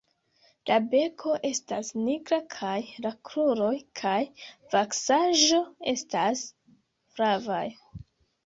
La beko estas nigra kaj la kruroj kaj vaksaĵo estas flavaj.